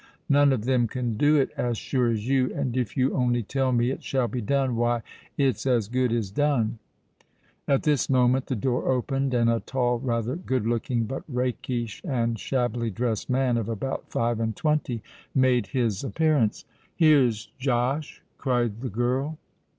None of them can do it as sure as you; and if you only tell me it shall be done, why—it's as good as done." At this moment the door opened, and a tall, rather good looking, but rakish and shabbily dressed man, of about five and twenty, made his appearance. "Here's Josh!" cried the girl.